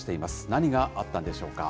何があったんでしょうか。